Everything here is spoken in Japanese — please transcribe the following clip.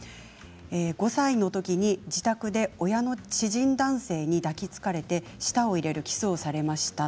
５歳のときに自宅で親の知人男性に抱きつかれて舌を入れるキスをされました。